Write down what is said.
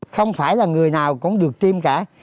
không phải là người nào cũng được tiêm cả